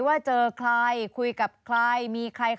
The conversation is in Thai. ว่าเจอใคร